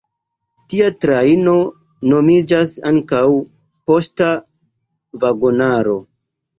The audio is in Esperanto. Tia trajno nomiĝas ankaŭ "poŝta vagonaro".